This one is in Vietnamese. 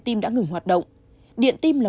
tim đã ngừng hoạt động điện tim là